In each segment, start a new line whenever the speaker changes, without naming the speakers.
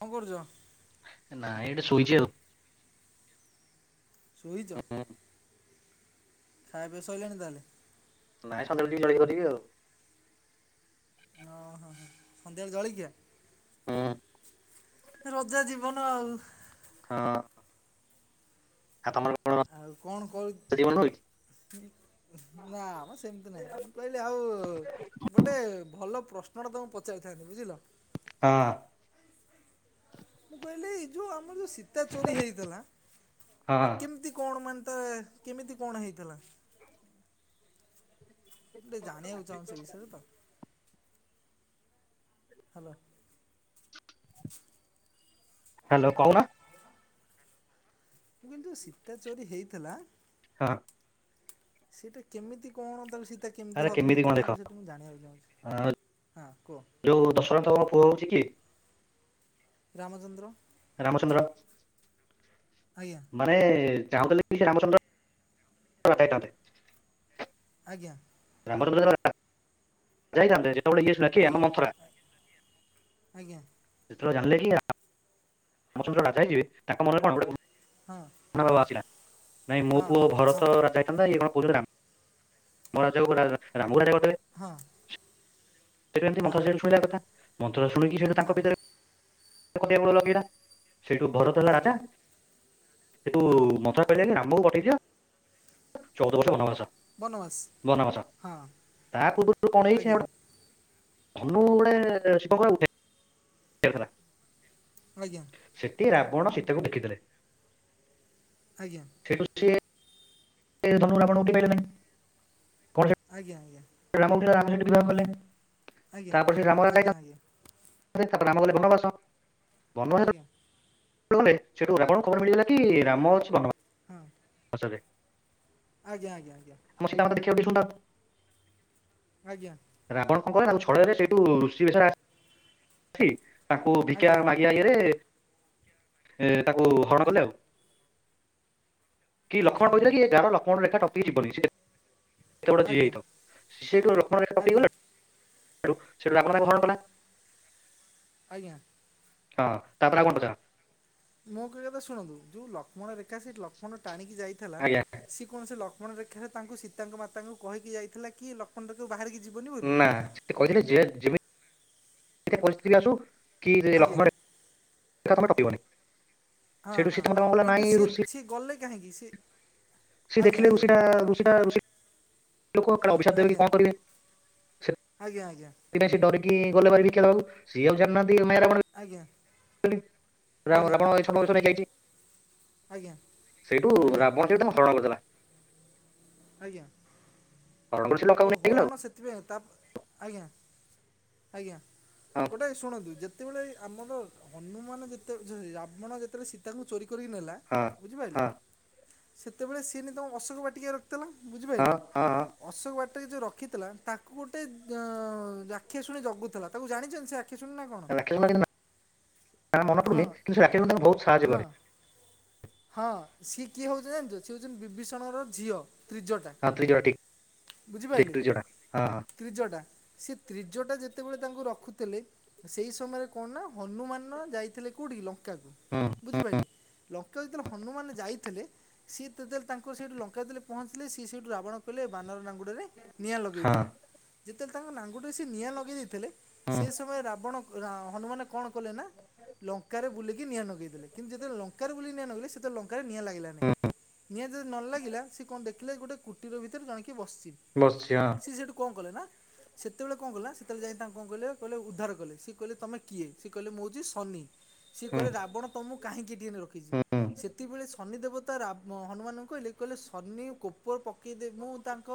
କଣ କରୁଚ?
ନାଇ ଏଇଠି ଶୋଇଛି ଆଉ
ଶୋଇଚ?
ହୁଁ
ଖାଇବା ପିଇବା ସଇଲାଣି ତାହେଲେ?
ନାଇଁ ସଂଧ୍ୟା ବେଳକୁ ଯିବି ଜଳଖିଆ କରିବି ଆଉ
ଓ ହୋ ସନ୍ଧ୍ୟାବେଳେ ଜଳିଖିଆ? ରଜା ଜୀବନ ଆଉ
ହଁ। ଆଉ ତମର? କଣ ମାଛ
କଣ କରୁ।
ଜୀବନ ହୁଏ କି
ନା ମ ସେମିତି ନାହିଁ। ମୁଁ କହିଲି ଆଉ ଗୋଟେ ଭଲ ପ୍ରଶ୍ନଟେ ତମକୁ ପଚାରିଥାନ୍ତି ବୁଝିଲ?
ହଁ।
ମୁଁ କହିଲି ଏଥିରୁ ଆମର ଯୋଉ ସି ଏତେ ଚୋରି ହେଇଗଲା।
ହଁ
[inaudible] କେମିତି କଣ ମାନେ ତା କେମିତି କଣ ହେଇଥିଲା। ମୁଁ ଟିକେ ଜାଣିବାକୁ ଚାହୁଁଛି ଏବିଷୟରେ [inaudible]
ହ୍ୟାଲୋ କହୁନା?
କିନ୍ତୁ ସୀତା ଚୋରି ହେଇଥିଲା।
ହଁ।
ସେଟା କେମିତି କଣ ତାହଲେ ସେଇ ସିତା କେମିତି
ଆରେ
ହରଣ
କଣ
ହେଇଥିଲା
ଦେଖ
ସେଇଠୁ ମୁଁ ଜାଣିବାକୁ
ଅ,
ଚାହୁଁଛି। [inaudible] ହଁ। କୁହ?
ଯୋଉ ଦଶରଥଙ୍କ ପୁଅ ହଉଛି କିଏ?
ରାମଚନ୍ଦ୍ର।
ରାମଚନ୍ଦ୍ର।
ଆଜ୍ଞା!।
ମାନେ ଚାହୁଁ ଥିଲେ କି ସେ ରାମଚନ୍ଦ୍ର [unintelligible]
ଆଜ୍ଞା!।
ରାମଚନ୍ଦ୍ର ଆ [inaudible] ଯାଇଥାନ୍ତେ। ଯେତେବେଳେ ଇଏ କିଏ ଆମ
ଆଜ୍ଞା
ମନ୍ଥରା
ଆଜ୍ଞା!।
ଯେତେବେଳେ ଜାଣିଲେକି ରାମଚନ୍ଦ୍ର ରାଜା ହେଇଯିବେ [inaudible] ତାଙ୍କ ମନରେ କଣ ଗୋଟେ
ହଁ।
ମନୋଭାବ ଆସିଲା। [inaudible] ନାଇଁ ମୋ
ହଁ
ପୁଅ
ହଁ ହଁ
ଭରତ ରାଜା ହେଇ ତାଛଡା ଇଏ କଣ କହୁଛନ୍ତି ନା [inaudible] ହଁ ରାଜା କୁ ରାମକୁ ରାଜା କରିଦେବେ।
ହଁ।
ସେଠୁ ଏମିତି
ହଁ
ମନ୍ଥରା ଶୁଣିଲା ଏ କଥା। [inaudible] ମନ୍ଥରା ଶୁଣିକି ସେଠୁ
ହଁ
ତାଙ୍କ ଭିତରେ [inaudible] ସେ ଖଟିଆ ଗଳ ଲଗେଇଲା। ସେଇଠୁ ଭରତ ହେଲା
ଆଜ୍ଞା
ରାଜା। [inaudible] ସେଠୁ
ହଁ
ମନ୍ଥରା କହିଲା କି ରାମକୁ ପଠେଇ ଦିଅ ଚଉଦ ବର୍ଷ ବନବାସ
ବନବାସ
[inaudible] ବନବାସ
ହଁ
[inaudible] ତା ପୂର୍ବରୁ କଣ ହେଇଛି
ଆଜ୍ଞା
ନା ଗୋଟେ ଧନୁ ଗୋଟେ ଶିବଙ୍କର ଗୋଟେ ହେଇଥିଲା।
ଆଜ୍ଞା!।
ସେଠି ରାବଣ ସୀତାକୁ ଦେଖିଥିଲେ।
ଆଜ୍ଞା!।
ସେଠୁ ସିଏ ସେ ଧନୁ ରାବଣ ଉଠେଇ ପାଇଲେ ନାହିଁ। କଣ
ଆଜ୍ଞା!।
ରାମ ଉଠେଇଲେ ରାମ ସେଠୁ ବିବାହ କଲେ।
ଆଜ୍ଞା!
ତାପରେ ସେ ରାମ
[inaudible]
ରାଜା
ଆଜ୍ଞା!
ହେଇଥାନ୍ତେ
ଆଜ୍ଞା!।
ତାପରେ ରାମ ଗଲେ ବନବାସ। [inaudible] ବନବାସ
ଆଜ୍ଞା ଆଜ୍ଞା
ଯେତେବେଳ [inaudible] ଗଲେ ସେଠୁ ରାବଣକୁ ଖବର ମିଳିଗଲା। କି ରାମ ଅଛି ବନ ବା
ହଁ
ଖସ ରେ
ଆଜ୍ଞା ଆଜ୍ଞା ଆଜ୍ଞା
ଆମ ସେଟା ମଧ୍ୟ ଦେଖିବା ଟିକେ ସୁନ୍ଦର।
ଆଜ୍ଞା
ରାବଣ କଣ କଲା ଆଉ ଛଳରେ ସେଇଠୁ ଋଷି ବେଶରେ ଆସ କି ତାଙ୍କୁ ଭିକ୍ଷା
ଆଜ୍ଞା ଆଜ୍ଞା
ମାଗ ଇଆ ଇଏରେ ତାକୁ ହରଣ କଲେ ଆଉ କି
ଆଜ୍ଞା
ଲଖଣ କହିଥିଲା କି ଏଗାର ଲଖଣରେଖା ଟପିକି ଯିବନି ସିଏ ତ ଗୋଟେ
ଆଜ୍ଞା
ଜିଏ
ଆଜ୍ଞା
ହେଇଥାଉ ସିଏ ଲଖଣ ରେଖା
ଆଜ୍ଞା ଆଜ୍ଞା
ଟପିକିଗଲାଠୁ ରାବଣ ତାଙ୍କୁ
ଆଜ୍ଞା
ହରଣ କଲା।
ଆଜ୍ଞା
ହଁ ତାପରେ ଆଉ କଣ ପଚାର?
ମୋ କହିବା କଥା ଶୁଣନ୍ତୁ ଯୋଉ ଲକ୍ଷ୍ମଣ ରେଖା ସେ ଲକ୍ଷ୍ମଣ ଟାଣିକି ଯାଇଥିଲା
ଆଜ୍ଞା
ସିଏ କୌଣସି ଲକ୍ଷ୍ମଣ ରେଖାରେ ତାଙ୍କୁ ସୀତାଙ୍କ ମାତାଙ୍କୁ କହିକି ଯାଇଥିଲା କି ଲକ୍ଷ୍ମଣରେଖାକୁ ବାହାରିକି ଯିବନି ବୋଲି
ନା ସେ କହିଥିଲେ ଯେ ଯେମିତି ଏତେ ପରିସ୍ଥିତିରେ ଆସୁ କି
ଆଜ୍ଞା
ଲକ୍ଷ୍ମଣରେଖା ତମେ ଟପିବନି।
ହଁ
ସେଇଠୁ
ହଁ
ସୀତା ମାତା କଣ କଲା
କିନ୍ତୁ
ନାଇଁ
ସିଏ
ଋଷି
ସିଏ ଗଲେ କାହିଁକି ସେ
ସେ ଦେଖିଲେ ଋଷା-ଋଷା -ଋଷା [unintelligible] ଲୋକ ଅଭିଶାପ ଦେବେ ଙ୍କ କରିବେ।
ଆଜ୍ଞା ଆଜ୍ଞା
ସେଥିପାଇଁ ସିଏ ଡରିକି ଗଲେଭାରି ଭିକ୍ଷା ଦବାକୁ ସିଏ ଆଉ ଜାଣି ନାହାନ୍ତି ଏମା ରାବଣ
ଆଜ୍ଞା ଆଜ୍ଞା
ରାବଣ
ଆଜ୍ଞା
ରାବଣ ଛଦ୍ମ ବେଶ ନେଇ ଜାଇଛି।
ଆଜ୍ଞା
ସେଇଠୁ
ଆଜ୍ଞା ଆଜ୍ଞା
ରାବଣ ସେଇଠୁ ତାଙ୍କୁ ହରଣ କରିଦେଲା।
ଆଜ୍ଞା
ହରଣ କରି ସେ ଲଙ୍କାକୁ
ଓ
ନେଇଗଲା
ହରଣ ସେଥିପାଇଁ ତା ଆଜ୍ଞା ଆଜ୍ଞା
ଆଉ
ଗୋଟେ ଶୁଣନ୍ତୁ ଯେ ଯେତେବେଳେ ଆମର ହନୁମାନ ଯେତେ ସରି ରାବଣ ଯେତେବେଳେ ସୀତାଙ୍କୁ ଚୋରି କରିକି ନେଲା
ହଁ ହଁ
ବୁଝିପାଇଲେ
ହଁ
ସେତେବେଳେ ସିଏ ନେଇକି ତାଙ୍କୁ ଅଶୋକ ବାଟିକା ରେ ରଖିଥିଲା
ହଁ
ବୁଝିପାଇଲେ
ହଁ ହଁ
ଅଶୋକ ବା ତାକୁ ଯୋଉ ରଖିଥିଲା ତାଙ୍କୁ ଗୋଟେ ରକ୍ଷାଶୁଣି ଜଗୁଥିଲା ତାକୁ ଜାଣିଛନ୍ତି ସେ ରକ୍ଷାଶୁଣି ନା କଣ?
[unintelligible] ନାଁ ମାନ
ହଁ
ପଡୁନି କିନ୍ତୁ ସେ ରାକ୍ଷାସୁଣୀ ତାଙ୍କୁ ଭୋଉତ୍ ସାହାଯ୍ୟ କରେ।
ହଁ ହଁ ସିଏ କିଏ ହଉଛନ୍ତି ଜାଣିଛ ସିଏ ହଉଛନ୍ତି ବିଭୀଷଣ ର ଝିଅ। ତ୍ରିଜଟା
ହଁ ତ୍ରିଜଟା ଠିକ୍
ବୁଝିପାଇଲେ।
ଟେକି ଯୋଡା ହଁ
ତ୍ରିଜଟା। ସେ ତ୍ରିଜଟା ଯେତେବେଳେ ତାଙ୍କୁ ରଖୁଥିଲେ ସେଇ ସମୟରେ କଣ ନା ହନୁମାନ ଯାଇଥିଲେ କୋଉଠି କି ଲଙ୍କା କୁ
ହଁ
ବୁଝିପାଇଲେ ଲ ଲଙ୍କା କୁ ଯେତେବେଳେ ହନୁମାନ ଯାଇଥିଲେ ସିଏ ତତେବେଳେ ତାଙ୍କ ସେଇଠୁ ଲଙ୍କା କୁ ଯେତେବେଲେ ପହଞ୍ଚିଲେ ସିଏ ସେଇଠୁ ରାବଣ କହୀଲେ ବାନର ନାଙ୍ଗୁଡ଼ରେ ନିଆଁ ଲଗେଇ
ହଁ
ଦିଅ ଯେତେବେଳେ ତାଙ୍କ ନଙ୍ଗୁଡ଼ାରେ ସେ ନିଆଁ ଲଗେଇ ଦେଇଥିଲେ
ହଁ
ସେ ସମୟରେ ରାବଣ ରାଆ ହନୁମାନ କଣ କଲେ ନା ଲଙ୍କାରେ ବୁଲିକି ନିଆଁ ନଗେଇଦେଲେ କିନ୍ତୁ ଯେତେବେ ଲଙ୍କାରେ ବୁଲି ନିଆଁ ଲଗେଇଲେ ସେତେବେ ଲଙ୍କାରେ ନିଆଁ ଲାଗିଲାନାହିଁ।
ହଁ
ନିଆଁ ଯଦି ନ ଲାଗିଲା ସେ କଣ ଦେଖିଲେ ଗୋଟେ କୁଟିର ଭିତରେ ଜଣେ କିଏ ବସିଛି।
ବସିଛି ହଁ
ସିଏ ସେଠୁ କଣ କଲେ ନା ସେତେବେଳେ ଙ୍କ କଲା ସେତେଳେ ଯାଇ ତାଙ୍କୁ ଙ୍କ କଇଲେ କହିଲେ ଉଦ୍ଧାର କଲେ ସିଏ କହିଲେ ତମେ କିଏ ସିଏ କହିଲେ ମୁଁ ହଉଛି ଶନି। ସିଏ
ହୁଁ
କହିଲେ ରାବଣ ତମକୁ କାହିଁକି ଏଠିି ଅଣି ରଖିଛି
ହୁଁ
ସେତିକି ବେଳେ ଶନିଦେବ ତା ରମ୍ ହନୁମାନଙ୍କୁ କହିଲେ କହିଲେ ସନି କୋପର ପକେଇଦେବି ମୁଁ ତାଙ୍କ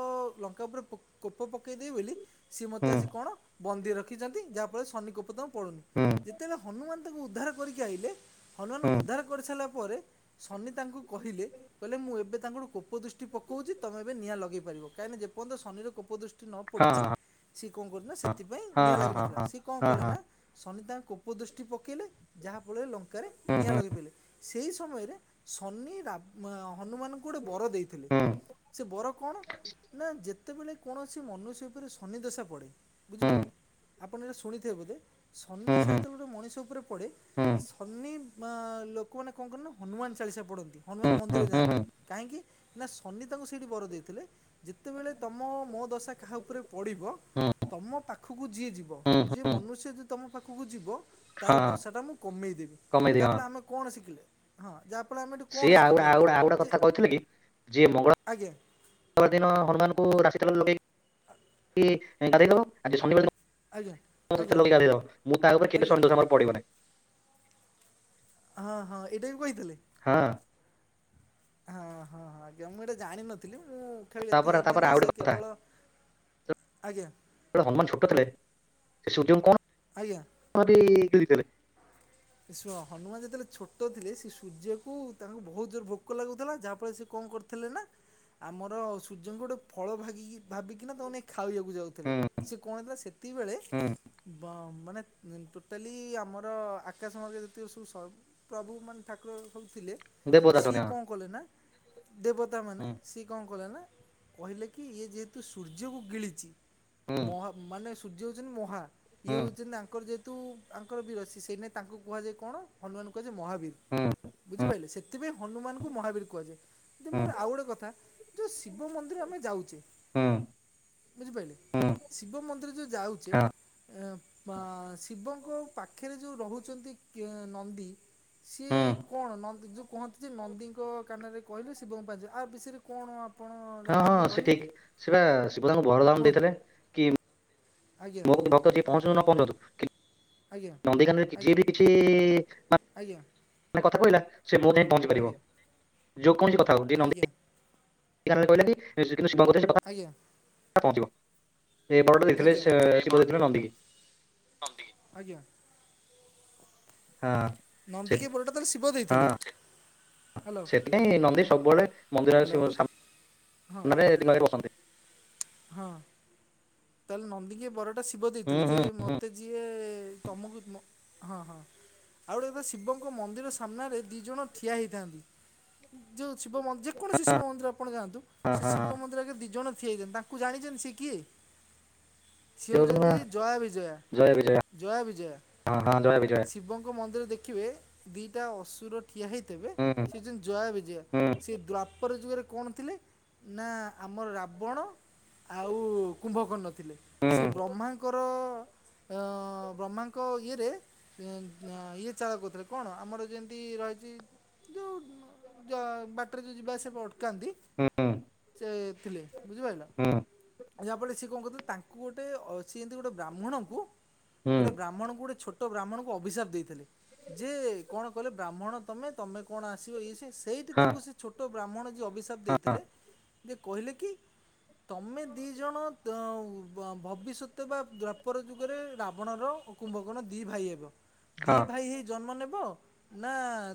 ଲଙ୍କା ଉପରେ କୋପୋ ପକେଇଦେବି ବୋଲି ସିଏ ମୋତେ
ହୁଁ
ଆସି କଣ ବନ୍ଦୀ ରଖିଛନ୍ତି। ଯାହା ଫଳରେ ଶନି କୋପ ତାଙ୍କୁ ପଡୁନି
ହୁଁ
ଯେତବେଳେ ହନୁମାନ ତାଙ୍କୁ ଉଦ୍ଧାର କରିକି ଆଇଲେ ହନୁମାନ
ହୁଁ
ଉଦ୍ଧାର କରିସାରିଲା ପରେ ଶନି ତାଙ୍କୁ କହିଲେ କହିଲେ ମୁଁ ଏବେ ତାଙ୍କଠୁ କୋପ ଦୃଷ୍ଟି ପକଉଛି ତମେ ଏବେ ନିଆ ଲଗେଇ ପାରିବ। କାହିଁନା ଯେ ପର୍ଯ୍ୟନ୍ତ ଶନି ର କୋପ ଦୁ ନ
ହଁ
ପଡିଛି ସିଏ କଣ କ ନା ସେଥିପାଇଁ
ହଁ
ନିଆଁ
ହଁ ହଁ
ଲାଗିିନଥିଲା
ହଁ
ସିଏ କଣ
ହଁ ହଁ
କଲେ
ହଁ
ନା ସନି ତାଙ୍କ କୋପ ଦୃଷ୍ଟି ପକେଇଲେ ଯାହା ଫଳରେ ଲଙ୍କାରେ ନିଆଁ ଲଗେଇ ପାଇଲେ। ସେହି ସମୟରେ ଶନି ରା ହନୁମାନ ଗୋଟେ ବର ଦେଇଥିଲେ
ହୁଁ
ସେ ବର କଣ ନା ଯେ ସେତେବେଳେ କୌଣସି ମନୁଷ୍ୟ ଉପରେ ସନିଦଶା ପଡ଼େ
ହୁଁ
ବୁଝିପାରିଲେ, ଆପଣ ଏଟା ଶୁଣିଥିବେ ବୋଧେ ଶନି
ହୁଁ
ଦଶା
ହୁଁ ହୁଁ ହୁଁ
ଯେତ ଗୋଟେ ମଣିଷ ଉପରେ ପଡ଼େ ଶନି ଲୋକମାନେ କଣ କରନ ହନୁମାନ ଚାଳିଶା ପଡନ୍ତି ହନୁମାନ ମନ୍ଦିର
ହୁଁ
ଯାଆନ୍ତି।
ହୁଁ ହୁଁ ହୁଁ ହୁଁ ହୁଁ
କାହିଁକି ନା ଶନି ତାଙ୍କୁ ସେଇଠି ବର ଦେଇଥିଲେ, ଯେତବେଳେ ତମ ମୋ ଦଶା କାହା ଉପରେ ପଡ଼ିବ
ହୁଁ ହୁଁ ହଁ
ତମ ପାଖକୁ ଯିଏ ଯିବ ଯିଏ ମନୁଷ୍ୟ ଯି ତମ ପାଖକୁ ଯିବ ତାର ଦଶା ଟା ମୁଁ କମେଇ ଦେବି
କମେଇଦି
ତା
ହଁ
ଫଳ ଆମେ କଣ ଶିଖିଲେ? ଯା ଫଳ ଆମେ
ସିଏ
କଣ
ଆଉ ଗୋଟେ- ଆଉ
ସିଖିପାଇଲେ
ଗୋଟେ- ଆଉ ଗୋଟେ କଥା କହିଥିଲେ
ଆଜ୍ଞା।
ଶବାର ଦିନ ହନୁମାନଙ୍କୁ ରାଶି ତେଲ ଲଗେଇ [unintelligible] ଆଜି ଶନିବାର
ଆଜ୍ଞା ଆଜ୍ଞା ଆଜ୍ଞା
[unintelligible]
ହଁ ହଁ ଏଇଟା ବି କହିଥିଲେ।
ହଁ
ହଁ ହଁ ହଁ ଆଜ୍ଞା ମୁଁ ଏଇଟା ଜାଣିନଥିଲି, ମୁଁ ଖାଲି ଏତିକି
ତାପରେ ତାପରେ
ଜାଣିଥିଲି ଯେ
ଆଉ
ସେ
ଗୋଟେ କଥା
କେବଳ ଆଜ୍ଞା
ସେଟେ ହନୁମାନ ଛୋଟ ଥିଲେ
ଆଜ୍ଞା
[unintelligible]
ହନୁମାନ ଯେତେବେଳେ ଛୋଟ ଥିଲେ ସେ ସୂର୍ଯ୍ୟକୁ ତାଙ୍କୁ ବହୁତ ଜୋର ଭୋକ ଲାଗୁଥିଲା ଯାହାଫଳରେ ସେ କଣ କରି ଥିଲେ ନା ଆମର ସୂର୍ଯ୍ୟଙ୍କୁ ଗୋଟେ ଫଳ ଭିକି ଭାବିକିନା ତମ ଖାଇବାକୁ ଯାଉଥିଲେ, ସେ କଣ ହେଲା ସେତିକି ବେଳେ ବ ମାନେ ଟୋଟାଲି ଆମର ଆକାଶମାର୍ଗ ଯେତିକ ସବୁ ସବୁ ମାନେ ଠାକୁର ସବୁ ଥିଲେ ସି କଁ କଲେନା ଦେବତା ମାନେ ସି କଁ କଲେନା କହିଲେ କି ଇଏ ଯେହେତୁ ସୂର୍ଯ୍ୟକୁ ଗିଳିଛି ମହା ମାନେ ସୂର୍ଯ୍ୟ ହେଉଛନ୍ତି ମହା। ଇଏ ହଉଛନ୍ତି ତାଙ୍କର ଯେହେତୁ ତାଙ୍କର ଦିବାସୀ ସେଇ ନାଇ ତାଙ୍କୁ କୁହାଯାଏ କଣ? ହନୁମାନଙ୍କୁ କୁହାଯାଏ ମହାବୀର ବୁଝିପାରିଲେ, ସେଥିପାଇଁ ହନୁମାନଙ୍କୁ ମହାବୀର କୁହାଯାଏ। ଯ ମୋର ଆଉ ଗୋଟେ କଥା ଯୋଉ ଶିବ ମନ୍ଦିର ଆମେ ଯାଉଛେ ଶିବ ମନ୍ଦିର ଯେଉ ଯାଉଛେ,
ହଁ,
ଆ ଶିବଙ୍କ ପାଖରେ ଯୋଉ ରହୁ କେ ନନ୍ଦି
ହୁଁ,
ସିଏ କଣ ନନ୍ଦି ଯୋଉ କହନ୍ତି ସେ ନନ୍ଦିଙ୍କ କାନରେ କହିଲୁ ଶିବଙ୍କୁ ପାଇଛୁ ଆ ବିଷୟରେ କଣ? ଆପଣ
ହଁ ହଁ
ଜାଣିଛନ୍ତି ଟିକେ
ସେ
କହିବେ
ଠିକ୍
କି
ସେ ବା ଶିବ ଦାନକୁ ବରଦାନ
କୁହନ୍ତୁ
ଦେଇଥିଲେ।
ଆଜ୍ଞା
ମୁଁ ଭକ୍ତ ଯିଏ ପହଞ୍ଚୁ ନ ପହଞ୍ଚୁ
ଆଜ୍ଞା
ନନ୍ଦୀକାନରେ ଯଏ
ଆଜ୍ଞା।
ବି କିଛି
ଆଜ୍ଞା
କଥା କହିଲା ସେ ମୋ ଯାଇ ପହଞ୍ଚି ପାରିବ।
ଆଜ୍ଞା
ଯଉ କୌଣସି କଥା ହଉ
ଆଜ୍ଞା
[unintelligible]
ଆଜ୍ଞା
ପହଞ୍ଚିବ ସେ ବରଟେ ଦେଇଥିଲେ ସେ ଶିବ ଦେଇଥିଲେ ନନ୍ଦୀ କି।
ନନ୍ଦୀ ଆଜ୍ଞା।
ହଁ ସେ
ନନ୍ଦୀ କି ବରଟା ତ ଶିବ ଦେଇଥିଲେ। ହେଲୋ
ନାଇଁ ନନ୍ଦୀ ସବୁବଳେ ମନ୍ଦିର ଆଗରେ ଶିବ
ହଁ
ସାମ୍ନାରେ ଦିନରେ ବସନ୍ତି।
ହଁ। ତାହେଲେ ନନ୍ଦିକି ଏ ବରଟା ଶିବ
ହୁଁ,
ଦେଇଥିଲେ ଯେ
ହୁଁ, ହୁଁ,
ମତେ ଯିଏ ତମୁକୁ ମୋ ହଁ ହଁ ଆଉ ଗୋଟେ କଥା ଶିବଙ୍କ ମନ୍ଦିର ସାମ୍ନାରେ ଦି ଜଣ ଠିଆ ହେଇଥାନ୍ତି, ଯୋଉ ଶିବ ମନ୍ଦି ଯେକୌଣସି
ହଁ,
ଶିବ ମନ୍ଦିର ଆପଣ ଯାଆନ୍ତୁ,
ହଁ,
ସେ
ହଁ,
ଶିବ
ହଁ,
ମନ୍ଦିର ଆଗେରେ ଦି ଜଣ ଠିଆ ହୋଇଚନ୍ତି ତାଙ୍କୁ ଜାଣିଛନ୍ତି ସିଏ କିଏ?
ସେ
ସିଏ
ହଉଛନ୍ତି ମା
ହଉଚନ୍ତି ଜୟା ବିଜୟା,
ଜୟ ବିଜୟ
ଜୟା ବିଜୟା।
ହଁ ହଁ ଜୟ ବିଜୟ
ଶିବଙ୍କ ମନ୍ଦିରରେ ଦେଖିବେ ଦିଟା ଅସୁର ଠିଆ ହୋଇଥିବେ
ହୁଁ
ସେ ହଉଛନ୍ତି ଜୟା ବିଜୟା,
ହୁଁ
ସେ ଦ୍ୱାପର ଯୁଗରେ କଣ ଥିଲେ? ନା ଆମର ରାବଣ ଆଉ କୁମ୍ଭକର୍ଣ୍ଣ ଥିଲେ,
ହୁଁ
ସେ ବ୍ରହ୍ମାଙ୍କ ଙ୍କର, ଅ ବ୍ରହ୍ମାଙ୍କ ଇଏରେ ଇଏ ଚାଳ କରୁଥିଲେ କଣ ଆମର ଯେମିତି ରହିଚି ଯୋଉ ଯ ବାଟରେ ଯୋଉ ଯିବା ଆସିବା ପାଇଁ ଅଟକାନ୍ତି
ହଁ।
ସେ ଥିଲେ ବୁଝିପାଇଲ? ଯାହାଫଳରେ ସିଏ କଣ କରିଥିଲେ? ତାଙ୍କୁ ଗୋଟେ ଅ ସିଏ ଗୋଟେ ବ୍ରାହ୍ମଣଙ୍କୁ
ହୁଁ
ଗୋଟେ ବ୍ରାହ୍ମଣଙ୍କୁ ଗୋଟେ ଛୋଟ ତ ବ୍ରାହ୍ମଣକୁ ଅଭିଶାପ ଦେଇଥିଲେ, ଯେ କଣ କଲେ ବ୍ରାହ୍ମଣ ତମେ ତମେ କଣ ଆସିବ ଇଏ ସେ ସେଇଠି
ହଁ
ତାଙ୍କୁ ସେ ଛୋଟ ବ୍ରାହ୍ମଣ ଯିଏ ଅଭିଶାପ
ହଁ
ଦେଇଥିଲେ ଯେ କହିଲେ କି ତମେ ଦି ଜଣ ଭବିଷ୍ୟତ ବା ଦ୍ୱାପର ଯୁଗରେ ରାବଣର କୁମ୍ଭକର୍ଣ୍ଣ ଦି ଭାଇ ହେବ, ଦି
ହଁ
ଭାଇ ହେଇ ଜନ୍ମ ନେବ। ନା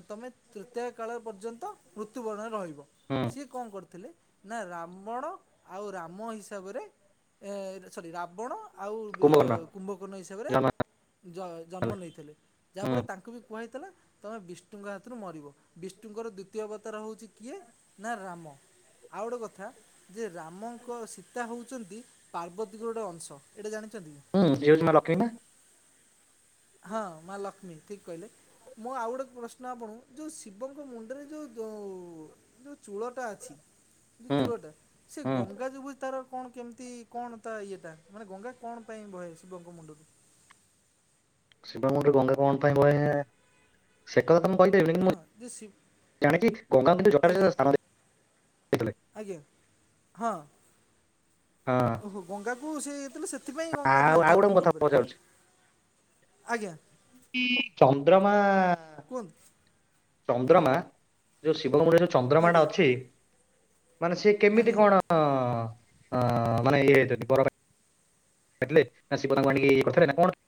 ତମେ ତୃତୀୟା କାଳ ପର୍ଯ୍ୟନ୍ତ ମୃତ୍ୟୁବରଣରେ ରହିବ।
ହୁଁ
ସିଏ କଣ କରିଥିଲେ? ନା ରବଣ ଆଉ ରାମ ହିସ ସବାରେ ଏ ସରୀ ରାବଣ ଆଉ ଏ
କୁମ୍ଭକର୍ଣ୍ଣ
କୁମ୍ଭକର୍ଣ୍ଣ ହିସାବରେ
ଜମା
ଜ ଜନ୍ମ ନେଇଥିଲେ,
ହୁଁ
ଯାହାଫଳରେ ତାଙ୍କୁ ବି କୁହାହେଇଥିଲା ତମେ ବିଷ୍ଣୁଙ୍କ ହାତୁରୁ ମରିବ। ବିଷ୍ଣୁଙ୍କର ଦ୍ଵିତୀୟ ଅବତାର ହଉଚି କିଏ? ନା ରାମ। ଆଉ ଗୋଟେ କଥା ଯେ ରାମଙ୍କ ସୀ ସୀତା ହେଉଚନ୍ତି ପାର୍ବତୀଙ୍କ ଗୋଟେ ଅଂଶ। ଏଇଟା ଜାଣିଛନ୍ତି?
ହୁଁ ସିଏ ହଉଚି ମା ଲକ୍ଷ୍ମୀ ବା।
ହଁ ମା ଲକ୍ଷ୍ମୀ। ଠିକ କହିଲେ। ମୁଁ ଆଉ ଗୋଟେ ପ୍ରଶ୍ନ ଆପଣଙ୍କୁ ଯୋଉ ଶିବଙ୍କ ମୁଣ୍ଡରେ ଯୋଉ ଯୋଉ ଯୋଉ ଚୂଳଟା ଅଛି ଯୋଉ
ହୁଁ
ଚୂଳଟା। ସେ
ହୁଁ
ଗଙ୍ଗା ଯିବୁ ତାର କଣ କେମିତି କଣ ତା ଇଏଟା? ମାନେ ଗଙ୍ଗା କଣ ପାଇଁ ବହେ ଶିବଙ୍କ ମୁଣ୍ଡରୁ?
ଶିବଙ୍କ ମୁଣ୍ଡରୁ ଗଙ୍ଗା କଣ ପାଇଁ ବହେ ସେ କଥା ତ ମୁଁ କହିପାରିବିନି? କି ମୁ
ହଁ ଯେ ଶି ଆଜ୍ଞା
[unintelligible]
ଆଜ୍ଞା ହଁ।
ହଁ
ଓହୋ ଗଙ୍ଗା କୁ ସେ ହେଇଥିଲେ ସେଥିପାଇଁ ଗଙ୍ଗା
ଆଉ
ଥାଏ
ଆଉ
ତାଙ୍କ
ଗୋଟେ ମୁଁ
ମୁଣ୍ଡ
କଥା
ଉପରେ।
ପଚାରୁଛି
ଆଜ୍ଞା।
କି ଚନ୍ଦ୍ରମା,
କୁହନ୍ତୁ
ଚନ୍ଦ୍ରମା ଯୋଉ ଶିବ ମୁଣ୍ଡରେ ଯୋଉ ଚନ୍ଦ୍ରମା ଟା
ଆଜ୍ଞା
ଅଛି ମାନେ ସିଏ କେମିତି
ଆଜ୍ଞା।
କଣ [unintelligible] [unintelligible]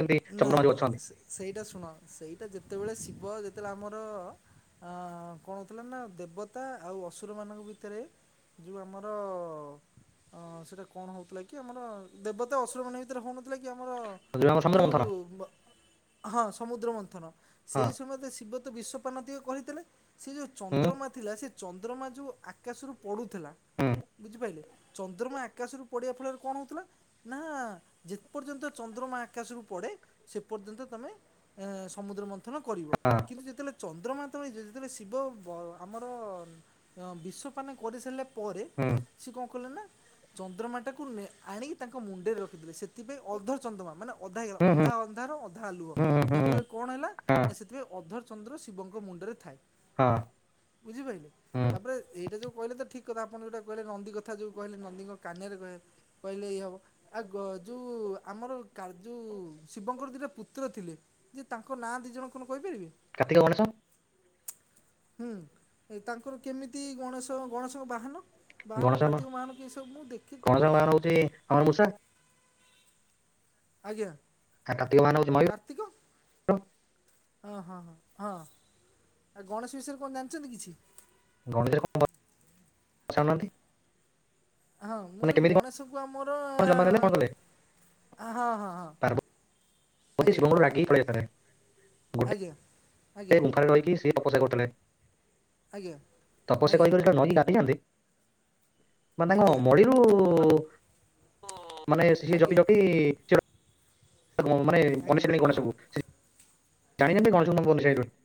ଏମିତି ଚନ୍ଦ୍ରମା
ନାଇଁ
ଯୋଉ ଅଛନ୍ତି
ନାଇଁ ସେଇଟା ଶୁଣ ସେଇଟା ଯେତେବେଳେ ଶିବ ଯେତେବେଳେ ଆମର ଅ କଣ ହଉଥିଲା ନା ଦେବତା ଆଉ ଅସୁର ମାନଙ୍କ ଭିତରେ ଯେଉଁ ଆମର ସେଇଟା କଣ ହଉଥିଲା କି? ଆମର ଦେବତା ଅସୁର ମାନଙ୍କ ଭିତରେ ହେଉନଥିଲା କି ଆମର
[unintelligible]
[unintelligible] ହଁ ସମୁଦ୍ର ମନ୍ଥନ
ହଁ
ସେଇ ସମୟରେ ଶିବତ ବିଶପାନ ଟିକେ କହିଥିଲେ ସେ ଯେଉ
ହୁଁ
ଚନ୍ଦ୍ରମା ଥିଲା ସେ ଚନ୍ଦ୍ରମା ଯେଉଁ ଆକାଶରୁ [unintelligible]
ହୁଁ
ବୁଝିପାରିଲେ ଚନ୍ଦ୍ରମା ଆକାଶରୁ ପଡ଼ିବା ଫଳରେ କଣ ହେଉଥିଲା ନା ଯେ ପର୍ଯ୍ୟନ୍ତ ଚନ୍ଦ୍ରମା ଆକାଶରୁ ପଡ଼େ ସେ ପର୍ଯ୍ୟନ୍ତ ତୁମେ ସମୁଦ୍ର ମନ୍ଥନ କରିବ
ହଁ
କିନ୍ତୁ ଯେତେବେଳେ ଚନ୍ଦ୍ରମା ତ ଯେତେବେଳେ ଶିବ ଆମର ବିଷପାନ କରିସାରିଲେ। ପରେ
ହୁଁ
ସିଏ କଣ କଲେ ନା ଚନ୍ଦ୍ରମାଟାକୁ ଆଣି ତାଙ୍କ ମୁଣ୍ଡରେ ରଖିଲେ ସେଥିପାଇଁ ଅର୍ଦ୍ଧ ଚନ୍ଦ୍ରମା ମାନେ ଅଧା
ହୁଁ
ହେଇଗଲା
ହୁଁ
ଅଧା ଅନ୍ଧାର ଅଧା ଆଲୁଅ।
ହୁଁ ହୁଁ ହୁଁ ହୁଁ
ଯାହାଫଳରେ କଣ ହେଲା
ହଁ
ନା ସେଥିପାଇଁ [unintelligible] ଚନ୍ଦ୍ର ଶିବଙ୍କ ମୁଣ୍ଡରେ ଥାଏ।
ହଁ।
ବୁଝିପାରିଲେ।
ହୁଁ
ତାପରେ ଏଇଟା ଯୋଉ କହିଲେ ତ ଠିକ [unintelligible] କହିଲେ ନନ୍ଦୀ କଥା ଯୋଉ କହେ ନନ୍ଦୀଙ୍କ କାନରେ କହେ [unintelligible] ଆଉ ଯେଉଁ ଆମର [unintelligible]
[unintelligible]
ହୁଁ ଏ ତାଙ୍କର କେମିତି ଗଣେଶ ଗଣେଶଙ୍କ ବାହାନ? ବାହାନ
ଗଣେଶ ଆମ
କାର୍ତ୍ତିକ ବାହାନ କି ଏସବୁ ମୁଁ ଦେଖି
[unintelligible] ଆମର [unintelligible]
ଆଜ୍ଞା। ଆଉ କାର୍ତ୍ତିକ
[unintelligible]
[unintelligible]
[unintelligible]
ହଁ ମୁଁ
ମାନେ
କହିଲି
କେମିତି
ଗଣେଶକୁ ଆମର
କଣ ଜନ୍ମ ନେଲେ କଣ କଲେ
ହଁ ହଁ ହଁ।
ଗୋଟେ
ଆଜ୍ଞା
ଶିବଙ୍କୁରୁ ରାଗି ପଳେଇ ଆାଇଥିଲେ
ଆଜ୍ଞା
ଗୋଟେ
ଆଜ୍ଞା
ମୁଖାରେ ରହିକି ସେ ତପସ୍ୟା କରୁଥିଲେ।
ଆଜ୍ଞା ଆଜ୍ଞା
[unintelligible]
ଆଜ୍ଞା।
[unintelligible] ମାନେ
ଆଜ୍ଞା
ସିଏ
ଆଜ୍ଞା।
[unintelligible]
ଆଜ୍ଞା
[unintelligible]